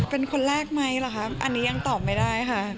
เป็นคนแรกไหมล่ะครับอันนี้ยังตอบไม่ได้ค่ะ